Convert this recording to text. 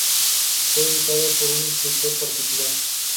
Fue educada por un instructor particular.